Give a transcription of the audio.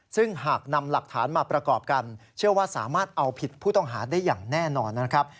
ซึ่งหากนำหลักฐานมาประกอบกันเชื่อว่าสามารถเอาผิดผู้ต้องหาได้อย่างแน่นอนนะครับ